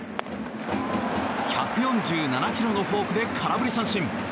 １４７キロのフォークで空振り三振。